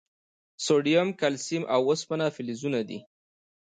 سوډیم، کلسیم، او اوسپنه فلزونه دي.